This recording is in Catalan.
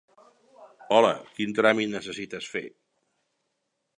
Hola, quin tràmit necessites fer?